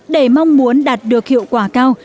để mong muốn đạt được hiệu quả cao